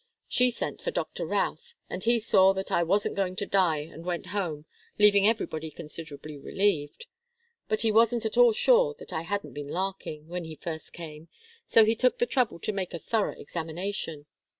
She sent for Doctor Routh, and he saw that I wasn't going to die and went home, leaving everybody considerably relieved. But he wasn't at all sure that I hadn't been larking, when he first came, so he took the trouble to make a thorough examination.